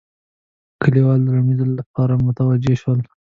کلیوال د لومړي ځل لپاره متوجه شول.